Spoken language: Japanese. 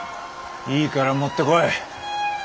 いいから持ってこい！